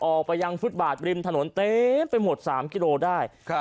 ออกไปยังฟื้ดบาดริมถนนเต็มไปหมด๓กิโลได้